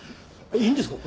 いいんですか？